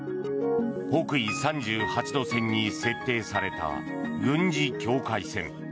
北緯３８度線に設定された軍事境界線。